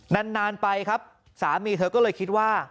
นานไปครับสามีเธอก็เลยคิดว่า